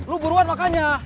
lu buruan makanya